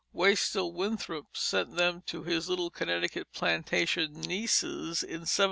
Waitstill Winthrop sent them to his little Connecticut Plantation nieces in 1716.